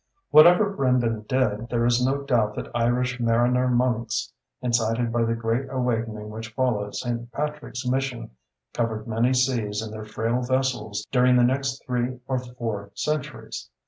Whatever Brendan did, there is no doubt that Irish mariner monks, incited by the great awakening which followed St. Patrick's mission, covered many seas in their frail vessels during the next three or four centuries.